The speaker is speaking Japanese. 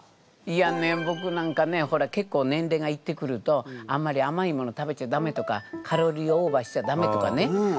いやねぼくなんかねほら結構年齢がいってくるとあんまり甘いもの食べちゃダメとかカロリーオーバーしちゃダメとかねよく言われるのよ。